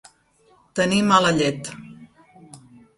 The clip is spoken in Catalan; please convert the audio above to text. Tenir mala llet.